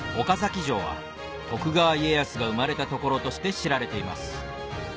岡崎城は徳川家康が生まれた所として知られています